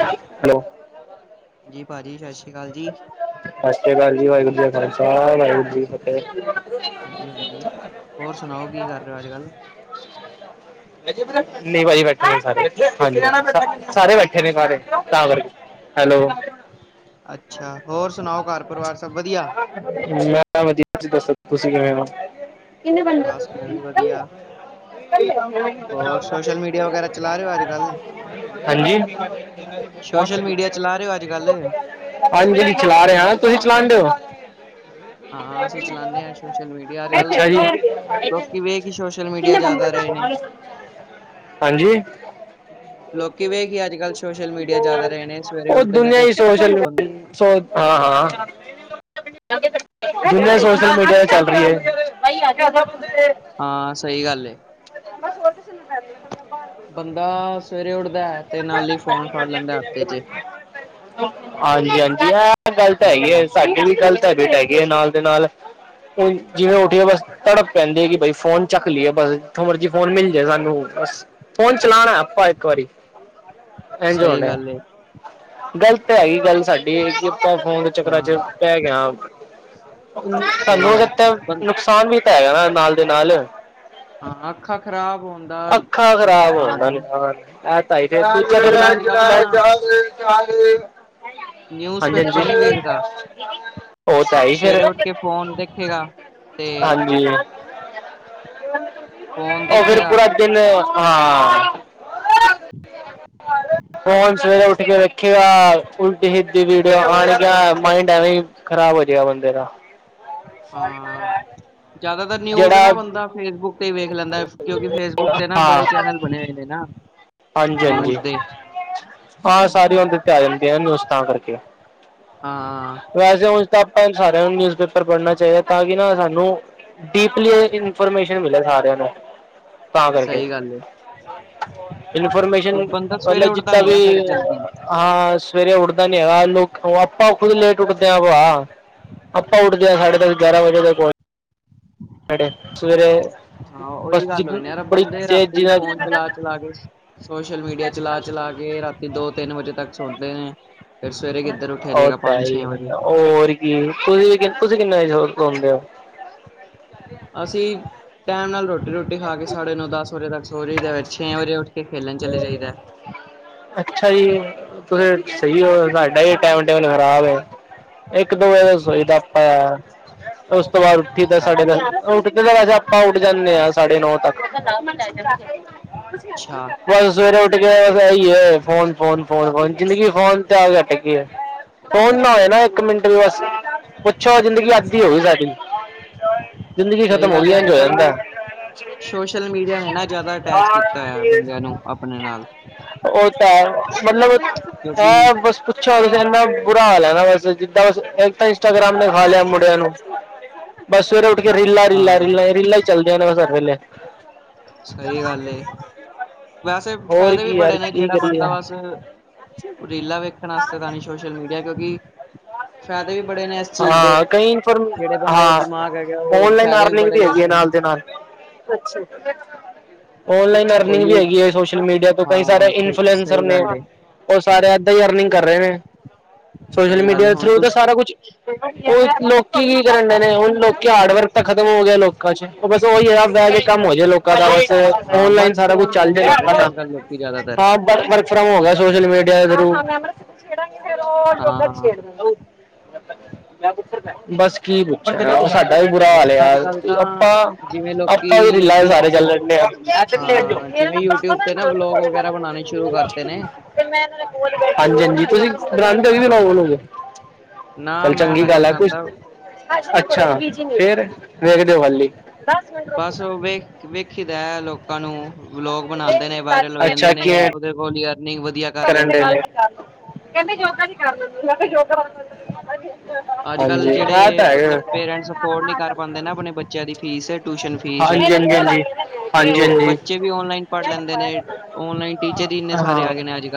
Hello. ਜੀ ਭਾਜੀ ਸ਼ਸ ਸਤਿ ਸ਼੍ਰੀ ਅਕਾਲ ਜੀ, ਵਾਹਿਗੁਰੂ ਜੀ ਕਾ ਖਾਲਸਾ, ਵਾਹਿਗੁਰੂ ਜੀ ਕੀ ਫਤਿਹ। ਹਾਂਜੀ-ਹਾਂਜੀ, ਹੋਰ ਸੁਣਾਓ ਕੀ ਕਰ ਰਹੇ ਹੋ ਅੱਜ ਕੱਲ? ਨਹੀਂ ਭਾਜੀ ਬੈਠੇ ਨੇ ਸਾਰੇ, ਹਾਂਜੀ ਸਾਰੇ ਬੈਠੇ ਨੇ ਸਾਰੇ ਤਾਂ ਕਰਕੇ। ਹੈਲੋ। ਅੱਛਾ ਹੋਰ ਸੁਣਾਓ। ਘਰ ਪਰਿਵਾਰ ਸਭ ਵਧੀਆ ਮੈਂ ਵਧੀ ਤੁਸੀ ਦੱਸੋ, ਤੁਸੀਂ ਕਿਵੇਂ ਓ? ਬਸ ਮੈਂ ਵੀ ਵਧੀਆ ਹੋਰ ਸੋਸ਼ਲ ਮੀਡੀਆ ਵਗੈਰਾ ਚਲਾ ਰਹੇ ਹੋ ਅੱਜ ਕੱਲ? ਹਾਂਜੀ। ਸੋਸ਼ਲ ਮੀਡੀਆ ਚਲਾ ਰਹੇ ਹੋ ਅੱਜ ਕੱਲ ਹਾਂਜੀ ਚਲਾ ਰਿਹਾ ਤੁਸੀਂ ਚਲਾਨ ਡੇ ਓ। ਹਾਂ ਅਸੀਂ ਚਲਾਨੇ ਆਂ ਸੋਸ਼ਲ ਮੀਡੀਆ, ਅੱਜ ਕੱਲ ਅੱਛਾ ਜੀ ਲੋਕੀ ਵੇਖ ਹੀ ਸੋਸ਼ਲ ਮੀਡੀਆ ਜ਼ਿਆਦਾ ਰਹੇ ਨੇ। ਹਾਂਜੀ। ਲੋਕੀ ਵੇਖ ਹੀ ਅੱਜ ਕੱਲ ਸੋਸ਼ਲ ਮੀਡੀਆ ਜ਼ਿਆਦਾ ਰਹੇ ਨੇ ਸਵੇਰੇ ਉਹ ਉੱਠਦੇ ਨੇ ਦੁਨੀਆਂ ਤੇ ਹੀ ਸੋਸ਼ਲ ਬੰ [unintelligible] ਸੋ ਹਾਂ, ਹਾਂ। ਜਿਨਾ ਸ਼ੋਸ਼ਲ ਮੀਡੀਆ ਤੇ ਚੱਲ ਰਹੀ ਹੈਂ। ਹਾਂ ਸਹੀ ਗੱਲ [inaudible] ਬੰਦਾ ਸਵੇਰੇ ਉੱਠਦਾ ਹੈਂ ।ਤੇ ਨਾਲ਼ ਹੀ ਫ਼ੋਨ ਫ਼ੜ ਲੈਂਦਾ ਹੱਥ ਵਿੱਚ। ਹਾਂਜੀ-ਹਾਂਜੀ ਐ ਗੱਲ ਤਾਂ ਹੈਗੀ ਐ, ਸਾਡੀ ਵੀ ਗ਼ਲਤ ਹੈਬਿਟ ਹੈਗੀ ਏ ਨਾਲ ਦੇ ਨਾਲ ਹੁਣ ਜਿਵੇਂ ਉਠੀਏ ਬਸ ਤੜਪ ਪੈਂਦੀ ਐ ਕਿ ਬਈ ਫ਼ੋਨ ਚੱਕ ਲਈਏ ਬਸ ਜਿਥੋ ਮਰਜ਼ੀ ਫ਼ੋਨ ਮਿਲ ਜਾਏ ਸਾਂਨੂੰ। ਬਸ ਫ਼ੋਨ ਚਲਾਣਾਂ ਐ ਆਪਾਂ ਇੱਕ ਵਾਰੀਂ। ਇਝ ਸਹੀ ਹੋਨਾ ਐ, ਗੱਲ ਏ ਗਲਤ ਤੇ ਹੈਗੀ ਗੱਲ਼ ਸ਼ਾਡੀ ਕਿਦਾਂ ਫੋਨ ਦੇ ਚੱਕਰਾਂ ਹਾਂ ਚ ਪੈ ਗਿਆਂ। ਸਹੀ ਸਾਂਨੂੰ ਗੱਲ ਉਹਦੇ ਏ ਤਾ ਬੰ ਨੁਕਸ਼ਾਨ ਵੀ ਤਾਂ ਹੈਗਾ ਨਾ ਨਾਲ ਦੀ ਨਾਲ। ਹਾਂ ਅੱਖਾਂ ਖ਼ਰਾਬ ਹੋਣ ਦਾ ਅੱਖ਼ਾਂ ਖ਼ਰਾਬ ਹੋਣ ਨੁਕਸਾਨ ਦਾ ਏ ਨੁਕਸਾਨ। ਇਹ ਤਾਂ ਹੀ-ਦੂਜਾ ਬੰਦਾ ਅੱਜ ਕੱਲ੍ਹ ਨਾ ਤਾਂ। [unintelligible] ਨਿਊਜ਼ ਪੇਪਰ ਨੀਂ ਵੇਖਦਾ। [inaudible] ਉਹ ਤਾਂ ਹੈ ਹੀ ਫ਼ਿਰ, ਸਵੇਰੇ ਉੱਠ ਕੇ ਫੋਨ ਦੇਖੇਗਾ ਤੇ ਹਾਂਜੀ। ਫੋਨ ਉਹ ਫ਼ਿਰ ਦੇਖੇਗਾ ਪੂਰਾਂ ਦਿਨ, ਹਾਂ। ਫ਼ੋਨ ਸਵੇਰੇ ਉਠ ਕੇ ਵੇਖੇਗਾ, ਉਲਟੀ ਸੀਦੀ ਵੀਡੀਓ ਆਣ ਗੀਆ। ਮਾਈੰਡ ਐਵੇਂ ਹੀ ਖ਼ਰਾਬ ਹੋ ਜੇਗਾ ਬੰਦੇ ਦਾ। ਹਾਂ ਜ਼ਿਆਦਾ ਅਗਰ ਨਿਊਜ਼ ਜਿਹੜਾ ਨਾ ਬੰਦਾ ਫ਼ੇਸਬੁੱਕ ਤੇ ਹੀ ਵੇਖ ਲੈਂਦਾਂ ਕਿਉਂਕਿ ਫ਼ੇਸਬੁੱਕ ਤੇ ਨਾ ਬੜੇ ਚੈਨਲ ਬਣੇਂ ਹੋਏ ਨੇ ਨਾ। ਹਾਂਜੀ-ਹਾਂਜੀ, ਨਿਊਜ਼ ਦੇ ਹਾਂ ਸਾਰੀ ਓਂਦੇ ਤੇ ਆ ਜਾਂਦੀਆਂ ਨਾ ਨਿਊਜ਼ ਤਾਂ ਕਰਕੇ। ਹਾਂ ਵੈਸੇ ਉਝ ਤਾਂ ਆਪਾ ਸਾਰਿਆਂ ਨੂੰ ਨਿਊਜ਼ ਪੇਪਰ ਪੜ੍ਹਨਾਂ ਚਾਹੀਂਦਾ ਤਾਂ ਕਿ ਨਾ ਸਾਂਨੂੰ ਡੀਪਲੀ ਇਨਫੋਰਮੇਸ਼ਨ ਮਿਲੇ ਸਾਰਿਆਂ ਨੂੰ। ਤਾਂ ਕਰਕੇ ਸਹੀ ਗੱਲ਼ ਏ। ਇਨਫੋਰਮੇਸ਼ਨ ਬੰਦਾ ਸਵੇਰੇ ਮੱਤਲਬ ਉੱਠਦਾ ਜਿੰਦਾਂ ਨੀ ਵੀ। ਨਾ ਫੇਰ ਜਲਦੀ ਹਾਂ ਸਵੇਰੇ ਉੱਠਦਾ। ਹੈਗਾ। ਲੋਕ ਆਪਾਂ ਖ਼ੁਦ ਲੇਟ। ਉੱਠਦੇ ਆ ਵਾ ਆਪਾਂ ਉੱਠਦੇ ਹ ਸਾਢੇ ਦਸ ਗਿਆਰਾਂ ਵਜੇ ਤ ਹਾਡੇ ਸਵੇਰੇ। ਹਾਂ। ਬਸ ਉਹੀ ਜਿ ਗੱਲ਼ ਹੋਈ ਨਾ ਯਾਰ ਬੜੀ ਬੰਦੇ ਤੇਜ਼ੀ ਰਾਤੀਂ। ਨਾਲ ਫ਼ੋਨ ਚਲਾ ਚਲਾ ਕੇ। ਸ਼ੋਸ਼ਲ ਮੀਡੀਆ ਚਲਾ ਚਲਾ ਕੇ। ਤੇ ਰਾਤੀਂ ਦੋ ਤਿੰਨ ਵਜ਼ੇ ਤੱਕ ਸੋਦੇ ਨੇਂ। ਉਹ ਤਾਂ ਹੈ ਹੀ। ਹੋਰ ਕੀ ਤੁਸੀਂ ਤੇ ਕਹਿੰਦੇ। ਤੁਸੀਂ ਕਿੰਨੇਂ ਵਜ਼ੇ ਸੋਦੇ ਹੋ। ਅਸੀਂ ਟਾਇਮ ਨਾਲ਼ ਰੋਟੀ। ਰੋਟੀ ਖਾ ਕੇ ਸਾਢੇ ਨੋ ਦਸ ਵਜ਼ੇ ਤੱਕ ਸੋ ਜਾਈਦਾ। ਛੇ ਵਜ਼ੇ ਉੱਠ ਕੇ ਖੇਲਣ ਚੱਲੇਂ ਜਾਈਦਾ । ਅੱਛਾ ਜੀ। ਤੁਸੀਂ ਸਹੀ ਹੋ। ਸਾਡਾ ਹੀ ਟਾਇਮ ਟੇਬਲ ਖ਼ਰਾਬ ਏ। ਇੱਕ ਦੋ ਵਜੇ ਤਾਂ ਸੋਈਦਾ ਆਪਾਂ। ਉਸ ਤੋਂ ਬਾਅਦ ਉੱਠੀ ਦਾ ਅੱਛਾ ਸਾਢੇ ਦੱਸ ।ਉੱਠਦੇ‌ ਤਾਂ ਵੈਸੇ ਆਪਾਂ ਉੱਠ ਜਾਂਦੇ ਹਾਂ। ਸਾਢੇ ਨੌਂ ਤੱਕ। ਉੱਠ ਗਿਆਂ ਅੱਛਾ ਇਹੀ ਹੈਂ । ਫ਼ੋਨ ਫ਼ੋਨ ਫ਼ੋਨ ਫ਼ੋਨ ਜ਼ਿੰਦਗੀ ਫ਼ੋਨ ਤੇ ਆ ਕੇ ਅੱਟਕਗੀ ਏਂ ਫ਼ੋਨ ਨਾ ਹੋਏ ਨਾ ਇੱਕ ਮਿੰਟ ਵੀ ਬਸ। ਪੁੱਛੋ ਜ਼ਿੰਦਗੀ ਅੱਧੀ ਹੋ ਗਈ ਸ਼ਾਡੀ। ਜ਼ਿੰਦਗੀ ਸਹੀ ਖ਼ਤਮ ਹੋ ਗੱਲ ਗਈਂ ਹੈ ਅੱਜ ।ਇੰਜ ਹੋ ਕੱਲ ਜਾਂਦਾਂ ਸੋਸ਼ਲ ਮੀਡੀਆ ਨੇਂ ਨਾ ਜ਼ਿਆਦਾ ਅਟੈਚ ਕੀਤਾਂ ਹੋਇਆ ਐ ਬੰਦਿਆਂ ਨੂੰ ਆਪਣੇਂ ਨਾਲ਼। ਉਹ ਤਾਂ ਹੈ ।ਮਤਲਬ ਕਿਉਂਕਿ ਹੈ ਬਸ ਪੁੱਛੋ ਤੁਸੀਂ। ਖਾ ਲੈਣਾ ਬਸ ਜਿੰਦਾਂ ਬਸ। ਇੱਕ ਤਾਂ ਇੰਸਟਾਗ੍ਰਾਮ ਨੇ ਖਾ ਲਿਆ ਮੁੰਡਿਆਂ ਨੂੰ। ਬਸ ਸਵੇਰੇ ਉੱਠ ਕੇ ਰੀਲਾਂ ਰੀਲਾਂ ਹਾਂ ਰੀਲਾਂ ਰੀਲਾਂ ਹੀ ਚੱਲਦੀਆਂ ਨੇਂ ਬਸ ਹਰ ਵੇਲ਼ੇ। ਸਹੀ ਗੱਲ਼ ਏ। ਵੈਸੇ ਹੋਰ ਫ਼ਾਇਦੇ ਵੀ ਕੀ ਯਾਰ ਬੜੇ ਨੇਂ ਕੀ ।ਜਿਹੜਾ ਕਰੀਏ ਬੰਦਾ ਬਸ। ਰੀਲਾਂ ਵੇਖਣ ਵਾਸਤੇ ਤਾਂ ਨੀਂ । ਸ਼ੋਸ਼ਲ ਮੀਡੀਆ ਕਿਉਂਕਿ। ਫਾਇਦੇ ਵੀ ਬੜੇ ਨੇ ਇਸ ਚੀਜ਼ ਦੇ ਹਾਂ ਕਈ ਇਨਫੋਰਮ ਜਿਹੜੇ ਬੰਦੇ ਹਾਂ ਦਿਮਾਗ ਹੈਗੇ ਉਹ ਆਨਲਾਈਨ ਫਾਇਦੇ ਵੀ ਅਰਨਿੰਗ ਬੜੇ ਲੁੱਟ ਹੈਗੀ ਰਹੇ ਹੈ ਨਾਲ ਨੇ ਦੇ ਨਾਲ ਔਨਲਾਈਨ ਉਹ ਅਰਨਿੰਗ ਵੀ ਯੂ ਹੈਗੀ ਹੈ ਸੋਸ਼ਲ ਮੀਡੀਆ ਤੋਂ ਕਈ ਸਾਰੇ ਹਾਂ ਸਹੀ ਇਨਫਲੂਐਸਰ ਸਹੀ ਨੇ ਗੱਲ ਏ ਉਹ ਸਾਰੇ ਏਦਾਂ ਹੀ ਅਰਨਿੰਗ ਕਰ ਰਹੇ ਨੇ [inaudible] ਸੋਸ਼ਲ ਗੱਲ ਮੀਡੀਆ ਏ ਦੇ ਹੁਣ ਥਰੂ ਤੇ ਤੁਸ ਸਾਰਾ ਕੁਛ ਲੋਕੀ ਕੀ ਕਰਨ ਡ ਨੇਣ ਲੋਕੀ ਹਾਰਡ ਵਰਕ ਤਾਂ ਖਤਮ ਹੋ ਗਿਆ ਲੋਕਾਂ ਚਚ ਬਸ ਉਹੀਦਾ ਜੇ ਕੰਮ ਹੋ ਜਾਏ ਲੋਕਾਂ ਦਾ ਬ ਹਾਂ ਓਨਲਾਈਨ ਵਰਕ ਸਾਰਾ ਕੁਛ ਫਰੋਮ ਚੱਲ ਹੋਮ ਕਰ ਰਹੇ ਜਾਏਾਂ ਨੇ ਦਾ ਅੱਜ ਕੱਲ੍ਹ ਲੋਕੀ ਜ਼ਿਆਦਾਤਰ ਹਾਂ ਵਰਕ ਫਰਮ ਹੋ ਗਿਆ ਸੋਸ਼ਲ ਮੀਡੀਆ ਦੇ ਥਰੂ ਠ ਬੱਸ ਕੀ ਪੁੱਛਿਆ ਸਾਡਾ ਵੀ ਬੁਰਾ ਬਸ ਹਾਲ ਆ ਅੱਜ ਕੱਲ੍ਹ ਆਪ ਤਾਂ ਜਿਵੇਂ ਲੋਕੀ ਆਪਾਂ ਵੀ ਰਿਲਾਇੰ ਯੂਟਿਊਬ ਸਾਰੇ ਤੇ ਚੱਲਦੇ ਆ ਹਾਂ ਜਿਵੇਂ ਯੂਟਿਊਬ ਤੇ ਨਾ ਵਲੋਗ ਵਗੈਰਾ ਬਣਾਣੇ ਸ਼ੁਰੂ ਕਰਤੇ ਨੇ ਹਾਂਜੀ ਹਾਂਜੀ ਤੁਸੀਂ ਬਰਾਂਡ ਵੀ ਵੀ ਹਾਂ ਲਓ ਉਹਨੂੰ ਨਾ ਚੱਲ ਮੈਂ ਚੰਗੀ ਤਾਂ ਨਹੀਂ ਗੱਲ ਹੈ ਕੁਛ ਬਣਾਦਾ ਅੱਛਾ ਫੇਰ ਵੇਖਦੇ ਹੋ ਹਾਲੀ ਬਸ ਉਹ ਵੇਖ ਵੇਖੀ ਦਾ ਲੋਕਾਂ ਨੂੰ ਵਲੋਗ ਬਣਾਉਂਦੇ ਨੇ ਵਾਇਰਲ ਹੋ ਜਾਂਦੇ ਨੇ ਉਹਦੇ ਕੋਲ ਅਰਨਿੰਗ ਵਧੀਆ ਕਰ ਲੈਂਦੇ ਨੇ ਕਹਿੰਦੇ ਯੋਗਾ ਨੀ ਕਰਦੇ ਯਗਾ ਅੱਜ ਕੱਲ੍ਹ ਜਿਹੜੇ ਮਤਲਬ ਪੇਰੈਂਟਸ ਅਫੋਰਡ ਨਹੀਂੀ ਕਰ ਪਾਉਂਦੇ ਨਾ ਆਪਣੇ ਬੱਚਿਆਂ ਦੀ ਫੀਸ ਟਿਊਸ਼ਨ ਫੀਸ ਹਾਂਜੀ ਹਾਂਜੀ ਹਾਂਜੀ ਤੇ ਹਾਂਜੀ ਉਹ ਹਾਂਜੀ ਬੱਚੇ ਵੀ ਔਨਲਾਈਨ ਪੜ੍ਹ ਲੈਂਦੇ ਨੇ ਔਨਲਾਈਨ ਟੀਚਰ ਹੀ ਇੰਨੇ ਸਾਰੇ ਆ ਹਾਂ ਗਏ ਨੇ ਅੱਜੱਲ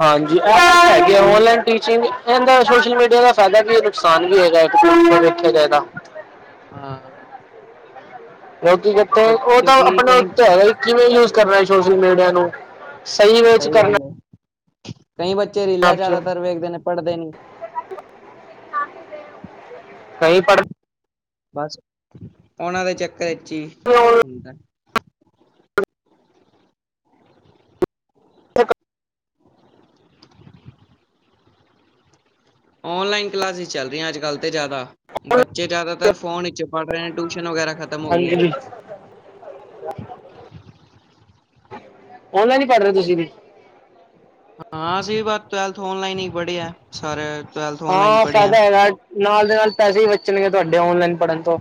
ਹਾਂਜੀ ਹੈਗੇ ਓਨਲਾਈਨ ਟੀਚਿੰਗ ਇਹਦਾ ਸੋਸ਼ਲ ਮੀਡੀਆ ਦਾ ਫਾਇਦਾ ਵੀ ਹੈ ਨੁਕਸਾਨ ਵੀ ਹੈਗਾ ਇੱਕ ਵੇਖਿਆ ਜਾ ਇਹਦਾ ਹਾਂ ਲੋਕਕ ਕਿੱਥੇ ਬ ਉਹ ਤਾਂ ਕਿਉਂਕਿ ਆਪਣੇ ਕਈ ਉੱਤੇ ਹੈਗਾ ਕਿਵੇਂ ਯੂਜ ਕਰਨਾ ਸੋਸ਼ਲ ਮੀਡੀਆ ਨੂੰ ਸਹੀ ਵੇ ਚ ਕਰਨਾ ਗੱਲ ਏ ਕਈ ਬੱਚੇ ਹੈ ਰੀਲਾ ਆਪ ਚ ਜ਼ਿਆਦਾਤਰ ਵੇਖਦੇ ਨੇ ਪੜ੍ਹਦੇ ਨੀ ਕਹੀ ਪੜ੍ਹਨਾ ਬਸ ਉਹਨਾਂ ਦੇ ਚੱਕਰ ਵਿੱਚ ਹੀ ਹੋ ਹੁੰਦਾ [unintelligible] ਓਨਲਾਈਨ ਕਲਾਸਿਸ ਚੱਲ ਰਹੀਆਂ ਅੱਜ ਕੱਲ ਤੇ ਜ਼ਿਆਦਾ ਬੱਚੇ ਜਿਆਦਾਤਰ ਫੋਨ ਬੱਚੇ ਪੜ੍ਹ ਰਹੇ ਨੇ ਟਿਊਸ਼ਨ ਵਗੈਰਾ ਖਤਮ ਹੋ ਗਈਆਂ ਹਾਂਜੀ ਔਨਲਾਈਨ ਹੀ ਪੜ੍ਹ ਰਹੇ ਤੁਸੀਂ ਵੀ ਹਾਂ ਅਸੀਂ ਬ ਟਵੈਲਥ ਔਨਲਾਈਨ ਹੀ ਪੜ੍ਹੇ ਹੈ ਸਾਰੇ ਟਵੈਲਥ ਔਨਲਾਈਨ ਹਾਂ ਪੜ੍ਹੇ ਆ ਫਾਇਦਾ ਹੈਗਾ ਨਾਲ ਦੇ ਨਾਲ ਪੈਸੇ ਹੀ ਬਚਣਗੇ ਤੁਹਾਡੇ ਔਨਲਾਈਨ ਪੜ੍ਹਨ ਤੋਂ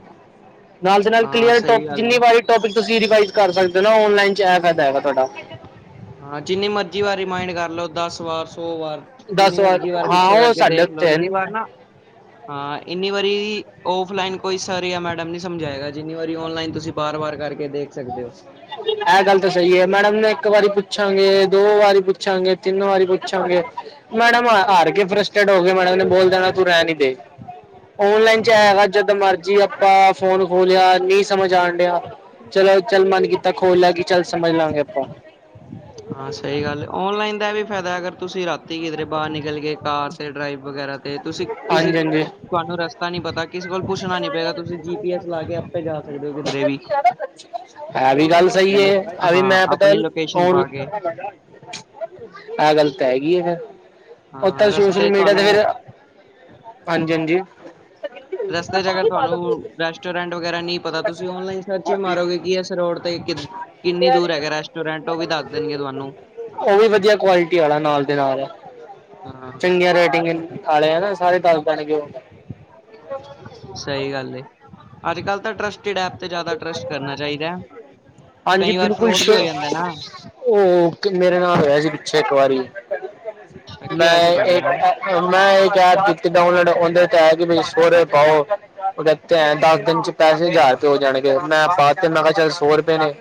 ਨਾਲ ਦੇ ਨਾਲ ਹਾਂ ਕਲੀਅਰ ਸਹੀ ਗੱਲ ਏ ਜਿੰਨੀ ਵਾਰੀ ਟੋਪਿਕ ਤੁਸੀਂ ਰਿਵਾਈਜ਼ ਕਰ ਸਕਦੇ ਹੋ ਨਲਾਈਨ ਚਿਆ ਕਰਦਾ ਹੈਗਾ ਤੁਹਾਡਾ ਹਾਂ ਜਿੰਨੀ ਮਰਜੀੀ ਵਾਰ ਰਿਮਾਇੰਡ ਕਰ ਲਓ ਦਸ ਵਾਰ ਸੋ ਵਾਰ ਜਿੰਨੀ ਵਾਰ ਜੀ ਵਾਰ ਹਾਂ ਪਿੱਛੇ ਉਹ ਕਰਕੇ ਸਾਡੇ ਦੇਖ ਲਓ ਉੱਤੇ ਇੰਨੀ ਵਾਰ ਹੈ। ਨਾ ਹਾਂ ਜਿੰਨੀ ਵਾਰੀ ਓਫਲਾਈਨ ਕੋਈ ਸਰ ਜਾਂ ਮੈਡਮ ਨੀ ਸਮਝਾਏਗਾ ਜਿੰਨੀ ਵਾਰੀ ਓਨਲਾਈਨ ਤੁਸੀਂ ਬਾਰ ਵਾਰ ਕਰਕੇ ਦੇਖ ਸਕਦੇ ਹੋ ਇਹ ਗੱਲ ਤਾਂ ਸਹੀ ਹੈ ਮੈਡਮ ਨੇ ਇੱਕ ਵਾਰੀ ਪੁੱਛਾਂਗੇ ਦੋ ਵਾਰੀ ਪੁੱਛਾਂਗੇ ਤਿੰਨ ਵਾਰੀ ਪੁੱਛਾਂਗੇ ਮੈਡਮ ਹਾਰ ਕੇ ਫਰਸਟੇਟ ਹੋ ਗ ਮੈਡਮ ਨੇ ਬੋਲ ਦੇਣਾ ਤੂੰ ਰਹਿ ਨੀ ਦੇ ਓਨਲਾਈਨ ਚ ਹਾਂ ਹੈਗਾ ਜਦ ਮਰਜੀੀ ਆਪਾਂ ਫੋਨ ਖੋਲਿਆ ਨਹੀਂ ਸਮਝ ਆਉਣ ਡਿਆ ਚਲੋ ਚੱਲ ਮਨ ਕੀਤਾ ਖੋਲ ਲੈ ਕੇ ਚੱਲ ਸਮਝ ਲਾਂਗੇ ਆਪਾਂ ਹਾਂ ਸਹੀ ਗੱਲ ਔਨਲਾਈਨ ਦਾ ਵੀ ਫਾਇਦਾ ਅਗਰ ਤੁਸੀਂ ਰਾਤੀ ਕਿਧਰੇ ਬਾਹਰ ਨਿਕਲ ਗਏ ਕਾਰ ਤੇ ਡਰਾਈਵ ਵਗੈਰਾ ਤੇ ਤੁਸੀਂ ਕਿਸੇ ਤੁਹਾਨੂੰ ਰਸਤਾ ਨੀ ਪਤਾ ਕਿਸੇ ਕੋਲ ਪੁੱਛਣਾ ਨੀ ਪਏਗਾ ਤੁਸੀਂ ਜੀ ਪੀ ਐਸ ਲਾ ਕੇ ਆਪੇ ਜਾ ਸਕਦੇ ਹੋ ਕਿਧਰੇ ਵੀ ਹੈ ਵੀ ਗੱਲ ਸਹੀ ਹੈ ਅਭੀ ਹਾਂ ਮੈਂ ਪਤਾ ਆਪਣੀ ਲੋਕੇਸ਼ਨ ਪਾ ਕੇ ਆਹ ਗੱਲ ਤਾਂ ਹੈਗੀ ਹੈ ਫਿਰ ਓ ਤਾਂ ਹਾਂ ਸੋਸ਼ਲ ਰਸਤੇ ਮੀਡੀਆ ਤੇ ਤੁਹਾਨੂੰ ਫਿਰ ਹਾਂਜੀ ਹਾਂਜੀ ਰਸ ਤੇੇਗਰ ਤੁਹਾਨੂੰ ਰੈਸਟੋਰੈਂਟ ਵਗੈਰਾ ਨਹੀਂ ਪਤਾ ਤੁਸੀਂ ਓਨਲਾਈਨ ਸਰਚ ਮਾਰੋਗੇ ਕਿ ਇਸ ਰੋਡ ਤੇ ਕਿੱ ਤੁਹਾਨੂੰ ਉਹ ਵੀ ਵਧੀਆ ਕੁਆਲਿਟੀ ਵਾਲਾ ਨਾਲ ਦੇ ਹਾਂ ਚੰਗੀਆਂ ਰੇਟਿੰਗ ਆੇ ਆ ਨਾ ਸਾਰੇ ਤਾਲ ਪਾਣ ਗ ਸਹੀ ਗੱਲ ਅੱਜ ਕਲ ਤਾਂ ਟਸਟਡ ਐ ਤੇ ਜ਼ਿਆਦਾ ਟਰੱਸਟ ਕਰਨਾ ਚਾਹੀਦਾ ਹੈ ਹਾਂਜੀ ਕਈ ਵਾਰ ਬਿਲਕੁਲ ਫਰੋਡ ਵੀ ਹੋ ਜਾਂਦਾ ਨਾ ਅੱਛਾ, ਉਹ ਮੇਰੇ ਨਾਲ ਹੋਇਆ ਸੀ ਪਿੱਛੇ ਇੱਕ ਵਾਰੀ [inaudible] ਕੀ ਹੋਇਆ ਮੈਂ ਸੀ ਤੁਹਾਡੇ ਇੱਕ ਨਾਲ? ਮੈਂ ਇੱਕ ਐਪ ਦਾ ਉਹਨਾਂ ਨੇ ਉਹਦੇ ਚ ਆਇਆ ਕਿ ਸੋਹਰੇ ਪਾਓ ਉਹ ਦਿੱਤੇ ਹੈ ਦਸ ਦਿਨ ਚ ਪੈਸੇ ਜਾ ਹੋ ਜਾਣਗੇ ਮੈਂ ਪਾ ਤੇ ਮੈਂ ਕਿਹਾ ਚੱਲ ਸੌ ਰੁਪਏ ਨੇ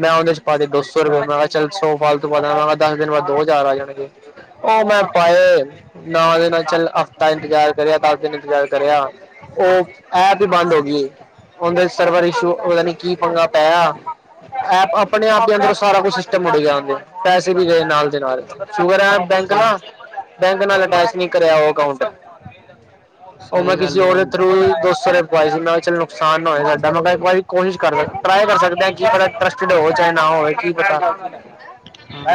ਮੈਂ ਉਹਦੇ ਪਾ ਦੋ ਸੌ ਰੁਪਏ ਅੱਛਾ ਮੈਂ ਕਿਹਾ ਚੱਲ ਸੋ ਫਾਲਤੂ ਪਤਾ ਮੈਂ ਕਿਹਾ ਦਸ ਦਿਨ ਬਾਅਦ ਦੋ ਹਜ਼ਾਰ ਆ ਜਾਣਗੇ ਉਹ ਮੈਂ ਪਾਏ ਨਾ ਦੇ ਨਾਲ ਚੱਲ ਹਫ਼ਤਾ ਇੰਤਜ਼ਾਰ ਕਰਿਆ ਦਸ ਦਿਨ ਇੰਤਜ਼ਾਰ ਕਰਿਆ ਉਹ ਐ ਬੰਦ ਹੋ ਗਈ ਉਹਦੇ ਸਰਵਰ ਇਸ਼ੂ ਉਹਤਾ ਨੀ ਕੀ ਪੰਗਾ ਪੈਆ ਆਪ ਆਪਣੇ ਆਪ ਹੀ ਅੰਦਰ ਸਾਰਾ ਕੁੱਛ ਸਿਸਟਮ ਉੜ ਗਿਆਦੇ ਪੈਸੇ ਵੀ ਗਏ ਨਾਲ ਦੇ ਨਾਲ ਸ਼ੂਗਰ ਐਪ ਬੈਂਕ ਅੱਛਾ, ਨਾਲ ਬੈਂਕ ਨਾਲ ਅਟੈਚ ਨੀ ਕਰਿਆ ਉਹ ਅਕਾਊਂਟ ਉਹ ਮੈਂ ਸਹੀ ਕਿਸੇ ਗੱਲ ਹੈ ਉਹਦੇ ਹੁਣ ਥਰੂ ਦੋਸਰੇ ਪਵਾਏ ਜਾਂਦਾ ਚਲ ਨੁਕਸਾਨ ਨਾ ਹੋਏ ਸਾਡੇ ਇੱਕ ਵਾਰੀ ਕੋਸ਼ਿਸ਼ ਕਰ ਟਰਾਈ ਕਰ ਸਕਦੇ ਹ ਕੀ ਪ ਟਸਟਡ ਹੋਵੇ ਚਾਹੇ ਨਾ ਹੋਵੇ ਕੀ ਪਤਾ [inaudible]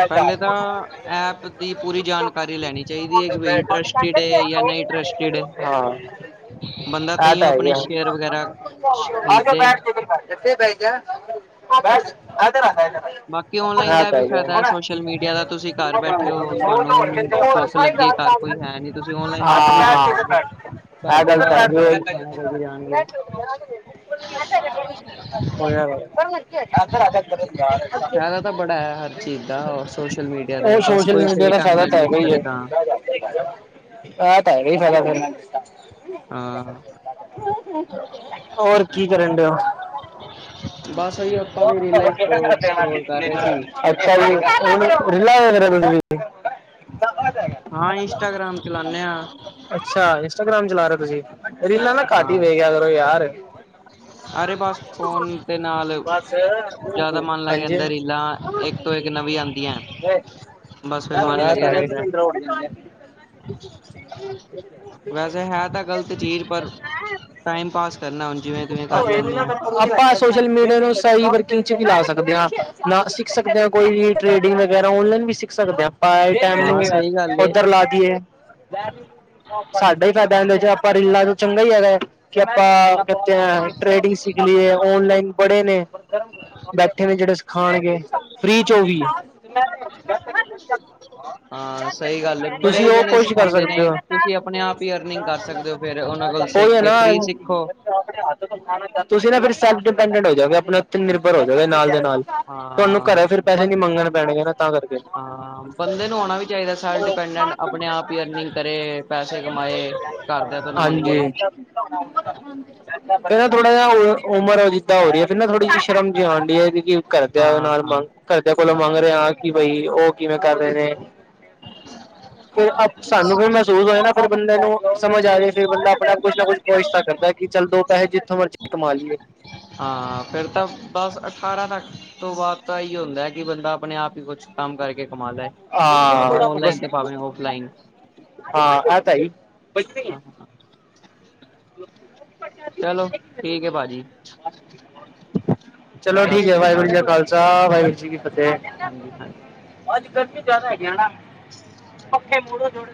ਪਹਿਲੇ ਤਾਂ ਐਪ ਦੀ ਪੂਰੀ ਜਾਣਕਾਰੀ ਲੈਣੀ ਚਾਹੀਦੀ ਹੈ ਕਿ ਬ ਟਰਸਟਡ ਜਾਂ ਨਹੀਂ ਇਸਟ ਹਾਂ ਬੰਦਾ ਆ ਤਓ ਤਾਂ ਆਪਣੇ ਹੈਗਾ ਸ਼ੇਅਰ ਵਗੈਰਾ ਖਰੀਦ [unintelligible] ਬਾਕੀ ਔਨਲਾਈਨ ਆ ਦਾ ਤਾਂ ਵੀ ਹੈਗਾ ਫਾਇਦਾ ਸੋਸ਼ਲ ਮੀਡੀਆ ਦਾ ਤੁਸੀਂ ਘਰ ਬੈਠੇ ਹੋ ਤੁਹਾਨੂੰ ਭੁੱਖ ਲੱਗੇ ਰ ਕੋਈ ਹੈ ਨਹੀਂੀ ਤੁਸੀਂ ਓਨਲਾਈਨ ਔਡਰ ਵੀ ਕਰ ਹਾਂ ਸਕਦੇ ਹੋ ਘਰ ਦੇ ਗਲਤ ਬਾਹਰ ਆ ਕੇ ਹੈ ਤੁਹਾਨੂੰ ਖਾਣਾ ਦੇੈ ਕੇ ਜਾਣਗੇ [unintelligible] ਫਾਇਦਾ ਤਾਂ ਬੜਾ ਹੈ ਹਰ ਚੀਜ਼ ਦਾ ਸੋਸ਼ਲ ਮੀਡੀਆ ਤੇ ਉਹ ਬਸ ਸੋਸ਼ਲ ਕੋਈ ਮੀਡੀਆ ਸਹੀ ਦਾ ਢੰਗ ਫਾਇਦਾ ਨਾਲ ਤਾਂ ਯੂਜ ਹੈਗਾ ਹੀ ਕਰੇ ਤਾਂ ਹਾਂ [unintelligible] ਹਾਂ [unintelligible] [unintelligible] [unintelligible] ਅੱਛਾ ਬਸ ਉਹੀ ਆਪਾਂ ਵੀ ਰੀਲਾਂ ਹੀ ਸਕਰੋਲ ਕਰ ਰਹੇ ਸੀ। ਜੀ [unintelligible] ਹਾਂ ਇੰਸਟਾਗ੍ਰਾਮ ਚਲਾਨੇ ਆ ਅੱਛਾ ਇੰਸਟਾਗ੍ਰਾਮ ਚਲਾ ਰਹੇ ਤੁਸੀਂ ਰੀਲਾ ਨਾ ਘੱਟ ਹੀ ਵੇ ਗਿਆ ਕਰੋ ਯਾਰ ਹਮ ਅਰੇ ਬਸ ਫੋਨ ਦੇ ਨਾਲ ਜ਼ਿਆਦਾ ਮਨ ਲੱਗ ਹਾਂਜੀ ਜਾਂਦਾ ਰੀਲਾਂ ਇੱਕ ਤੋਂ ਇੱਕ ਨਵੀਂ ਆਉਦੀਆਂ ਹੈ। [unintelligible] ਵੈਸੇ ਹੈ ਤਾਂ ਗ਼ਲਤ ਚੀਜ਼ ਪਰ ਟਾਈਮ ਪਾਸ ਕਰਨਾ ਜਿਵੇਂ ਤਿਵੇਂ ਕਰ ਲੈਂਨੇ ਆ। [unintelligible] ਮੀਡੀਆ ਨੂੰ ਵਰਕਿੰਗ ਚ ਵੀ ਲਾ ਸਕਦੇ ਹਾਂ ਨਾ ਸਿੱਖ ਸਕਦੇਾਂ ਕੋਈ ਵੀ ਟ੍ਰੇਡਿੰਗ ਵਗੈਰਾ ਓਨਲਾਈਨ ਵੀ ਸਿੱਖ ਸਕਦੇ ਹਾਂ ਪਾਇਆ ਵੀ ਹਾਂ ਸਹੀ ਟਮ ਗੱਲ ਏ। ਉਓਧਰ ਲਾ ਦੀਏ ਸਾਡਾ ਹੀ ਫਾਇਦਾ ਹਦਾ [unintelligible] ਆਪਾਂ ਰਲਾ ਚੰਗਾ ਹੀ ਹੈਗਾ ਕਿ ਆਪਾਂ ਕ ਟ੍ਰੇਡਿੰਗ ਸਿੱਖ ਲਈਏ ਓਨਲਾਈਨ ਬੜੇ ਨੇ ਗਰਮ ਬੈਠੇ ਨੇ ਜਿਹੜੇ ਸਿਖਾਣਗੇ ਫ੍ਰੀ ਚ ਹੋ ਗਈ ਹਾਂ ਸਹੀ ਗੱਲ ਬੜੇ ਜਣੇ ਕੋਸ਼ਿਸ਼ ਕਰ ਸਿਖਾਉਂਦੇ ਨੇ ਸਕਦੇ ਹੋ। ਤੁਸੀਂ ਆਪਣੇ ਆਪ ਹੀ ਅਰਨਿੰਗ ਕਰ ਸਕਦੇ ਹੋ ਫੇਿਰ ਉਹਨਾਂ ਗਲ ਉਹੀ ਸਿੱਖ ਹੈ ਕੇ ਨਾ ਫ੍ਰੀ ਸਿੱਖੋ ਤੁਸੀਂ ਨਾ ਫੇਰ ਸੇਲਫ਼ ਦੇਪੇਂਦੇ ਹੋ ਜਾਗੇ ਆਪਣੇ ਉੱ ਨਿਰਭਰ ਹੋ ਜਾਓਗੇ ਨਾਲ ਨਾਲ। ਤੁਹਾਨੂੰ ਘਰੇ ਫਿਰ ਹਾਂ ਪੈਸੇ ਬੰ ਨੀ ਮੰਗਣੇ ਪੈਣਗੇ ਨਾ ਤਾਂ ਕਰਕੇ ਹਾਂ ਬੰਦੇ ਨੂੰ ਆਉਣਾ ਵੀ ਚਾਹੀਦਾ ਸੈਲ ਡਪੈਂਡਟ ਆਪਣੇ ਆਪ ਹੀ ਅਰਨਿੰਗ ਕਰੇ ਪੈਸੇ ਕਮਾਏ ਘਰਦਿਆਂ ਤੋਂ ਨਾ ਹਾਂਜੀ। ਮੰਗੇ [unintelligible] ਘਰਦਿਆਂ ਹਾਂ ਨਾਲ ਹਾਂ ਮੰਗ ਘਰਦਿਆਂ ਕੋਲੋਂ ਮੰਗ ਰਿਹਾ ਕਿ ਬਈ ਉਹ ਕਿਵੇਂ ਕਰ ਰਹੇ ਨੇ ਫਿਰ, ਅ ਸਾਨੂੰ ਫਿਰ ਮਹਿਸੂਸ ਹੋਆ ਨਾ ਫ ਬੰਦੇ ਨੂੰ ਸਮਝ ਆਵੇ ਫਿਰ ਬੰਦਾ ਆਪਣਾ ਕੁੱਛ ਨਾ ਕੁੱਛ ਪੁੱਛ ਸਕਦਾ ਕਰਦਾ ਕਿ ਚੱਲ ਦੋ ਪੈਸੇ ਜਿੱਥੋਂ ਮਰਜ਼ੀ ਕਮਾ ਲਈਏ ਹਾਂ, ਫੇਿਰ ਤਾਂ ਬਸ ਅਠਾਰਾਂ ਤੱਕ ਤੋਂ ਬਾਅਦ ਤਾਂ ਇ ਹੁੰਦਾ ਹੈ ਕਿ ਬੰਦਾ ਆਪਣੇ ਆਪ ਹੀ ਕੁੱਛ ਕੰਮ ਕਰਕੇ ਕਮਾ ਲੈ, ਭਾਵੇਂ ਹਾਂ ਔਨਲਾਈਨ ਬਸ ਤੇ ਭਾਵੇਂ ਔਫਲਾਈਨ ਹਾਂ [unintelligible] ਹਾਂ [unintelligible] ਚਲੋ ਠੀਕ ਹੈ ਭਾਜੀ। ਚਲੋ ਸਤਿ ਠੀਕ ਹੈ ਸ੍ਰੀ ਵਾਹਿਗੁਰੂ ਜੀ ਅਕਾਲ ਕਾ ਖਾਲਸਾ ਵਾਹਿਗੁਰੂ ਜੀ ਕੀ ਫ਼ਤਿਹ। ਹਾਂਜੀ ਹਾਂਜੀ ਅੱਜ ਗਰਮੀ ਜ਼ਿਆਦਾ ਹੈਗੀ ਨਾ ਪੱਕੇ ਮੁੜ